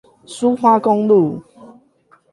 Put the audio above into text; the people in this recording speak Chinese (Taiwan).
蘇花公路